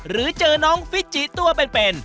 หรือเจอน้องฟิจิตัวเป็น